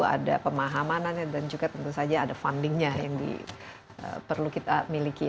ada pemahamanannya dan juga tentu saja ada fundingnya yang perlu kita miliki